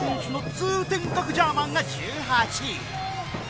通天閣ジャーマンが１８位